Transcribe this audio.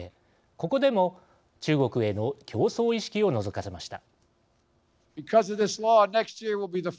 ここでも中国への競争意識をのぞかせました。